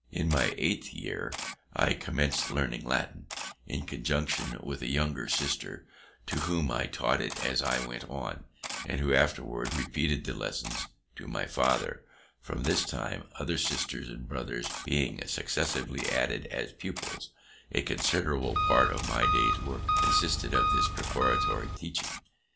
In my eighth year I commenced learning Latin, in conjunction with a younger sister, to whom I taught it as I went on, and who afterwards repeated the lessons to my father; from this time, other sisters and brothers being successively added as pupils, a considerable part of my day's work consisted of this preparatory teaching.